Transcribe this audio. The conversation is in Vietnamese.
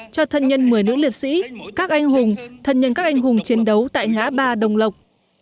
cho thân nhân một mươi nước liệt sĩ các anh hùng thân nhân các anh hùng chiến đấu tại ngã ba đồng lộc